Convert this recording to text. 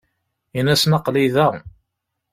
Ini-asen aql-i da.